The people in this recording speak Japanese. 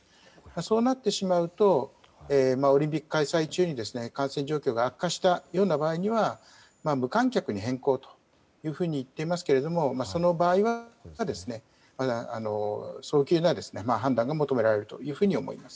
そうなってしまうとオリンピック開催中に感染状況が悪化した場合には無観客に変更というふうにいっていますがその場合は、また早急な判断が求められると思います。